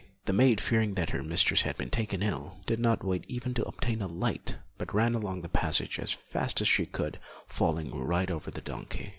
The maid, fearing that her mistress had been taken ill, did not wait even to obtain a light, but ran along the passage as fast as she could, falling right over the donkey.